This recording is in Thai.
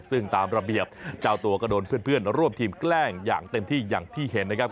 ซึ่งตามระเบียบเจ้าตัวก็โดนเพื่อนร่วมทีมแกล้งอย่างเต็มที่อย่างที่เห็นนะครับ